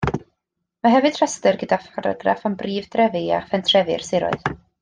Mae hefyd restr gyda pharagraff am brif drefi a phentrefi'r siroedd.